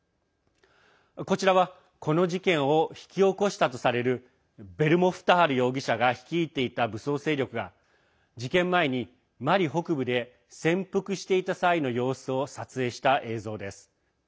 こちらはこの事件を引き起こしたとされるベルモフタール容疑者が率いていた武装勢力が事件前にマリ北部で潜伏していた際の様子を撮影した映像です。